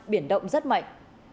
biển động rất mạnh